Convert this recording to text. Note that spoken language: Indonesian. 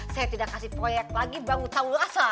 saya tidak kasih proyek lagi bangun tahu rasa